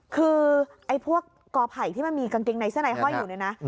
คือไอ้พวกกอไผ่ที่มันมีกางเกงในเสื้อในห้อยอยู่เนี่ยนะ